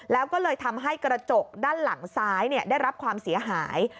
แล้วก็เลยทำให้กระจกด้านหลังซ้ายได้รับความเสียหาย